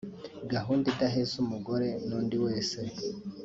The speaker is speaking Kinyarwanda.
gahunda idaheza umugore n’undi wese